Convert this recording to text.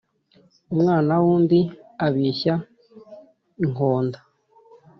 Umwana w’undi abishya inkonda